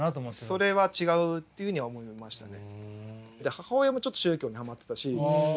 それは違うっていうふうには思いましたね。